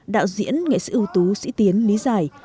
đạo diễn nghệ sĩ ưu tú sĩ tiến lý giải